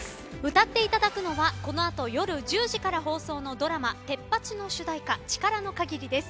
歌っていただくのはこの後夜１０時から放送のドラマ「テッパチ！」の主題歌「チカラノカギリ」です。